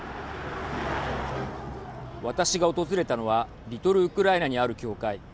私が訪れたのはリトル・ウクライナにある教会。